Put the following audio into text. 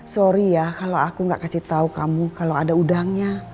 sorry ya kalau aku nggak kasih tahu kamu kalau ada udangnya